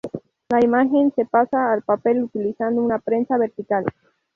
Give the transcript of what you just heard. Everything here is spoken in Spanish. La imagen se pasa al papel utilizando una prensa vertical.